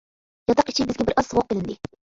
ياتاق ئىچى بىزگە بىرئاز سوغۇق بىلىندى.